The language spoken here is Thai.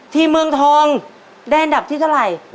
เมืองทองได้อันดับที่เท่าไหร่